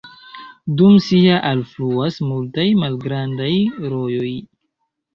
Dum sia alfluas multaj malgrandaj rojoj.